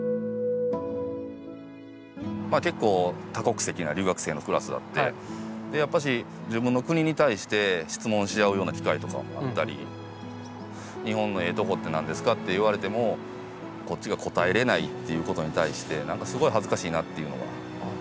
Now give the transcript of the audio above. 結構多国籍な留学生のクラスでやっぱし自分の国に対して質問し合うような機会とかがあったり日本のええとこって何ですかって言われてもこっちが答えれないっていうことに対して何かすごい恥ずかしいなっていうのが。